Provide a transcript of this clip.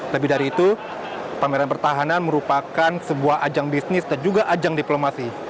lebih dari itu pameran pertahanan merupakan sebuah ajang bisnis dan juga ajang diplomasi